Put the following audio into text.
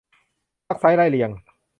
ซักไซ้ไล่เลียง